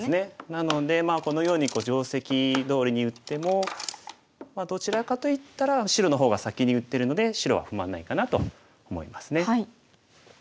なのでこのように定石どおりに打ってもどちらかといったら白の方が先に打てるので白は不満ないかなと思いますね。